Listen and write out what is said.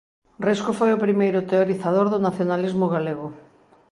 Risco foi o primeiro teorizador do nacionalismo galego.